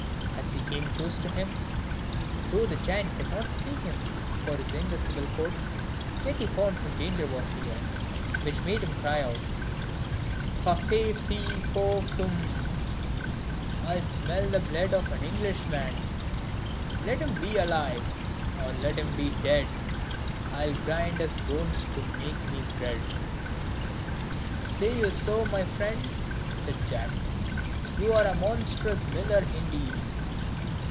As he came close to him, though the giant could not see him for his invisible coat, yet he found some danger was near, which made him cry out: "Fa, fe, fi, fo, fum, I smell the blood of an Englishman; Let him be alive, or let him be dead, I'll grind his bones to make me bread." "Say you so, my friend?" said Jack; "you are a monstrous miller, indeed!"